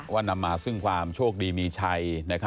นำมาซึ่งความโชคดีมีชัย